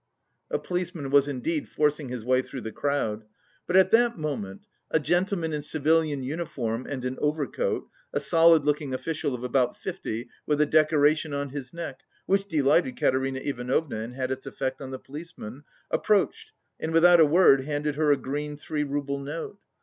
A policeman was indeed forcing his way through the crowd. But at that moment a gentleman in civilian uniform and an overcoat a solid looking official of about fifty with a decoration on his neck (which delighted Katerina Ivanovna and had its effect on the policeman) approached and without a word handed her a green three rouble note.